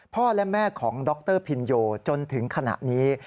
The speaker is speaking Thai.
พ่อและแม่ของดรพินโยจนถึงขณะนี้